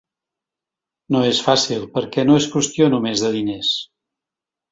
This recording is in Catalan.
No és fàcil, perquè no és qüestió només de diners.